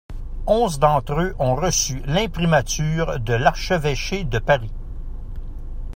Onze d'entre eux ont reçu l'Imprimatur de l’archevêché de Paris.